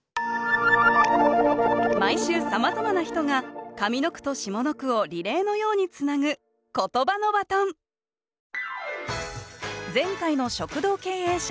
毎週さまざまな人が上の句と下の句をリレーのようにつなぐ前回の食堂経営者